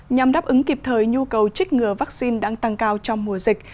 nhằm đáp ứng kịp thời nhu cầu chích ngừa vaccine đang tăng cao trong mùa dịch